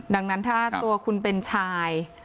ดังนั้นถ้าตัวคุณเป็นชาย